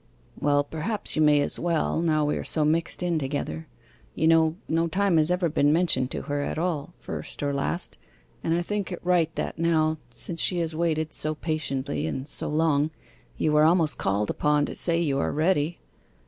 'Well, perhaps you may as well, now we are so mixed in together. You know, no time has ever been mentioned to her at all, first or last, and I think it right that now, since she has waited so patiently and so long you are almost called upon to say you are ready.